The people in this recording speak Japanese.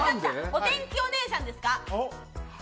お天気お姉さんですか？